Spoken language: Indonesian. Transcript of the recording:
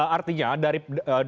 artinya dengan pembangunan ibu kota